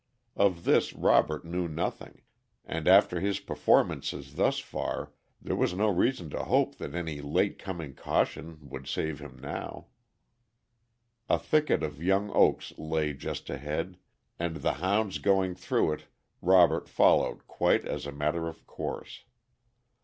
Of this Robert knew nothing, and after his performances thus far there was no reason to hope that any late coming caution would save him now. A thicket of young oaks lay just ahead, and the hounds going through it Robert followed quite as a matter of course.